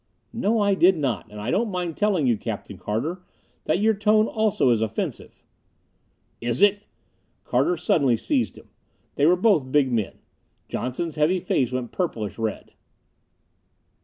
"No, I did not. And I don't mind telling you, Captain Carter, that your tone also is offensive!" "Is it?" Carter suddenly seized him. They were both big men. Johnson's heavy face went purplish red.